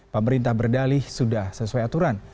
pemerintah berdalih sudah sesuai aturan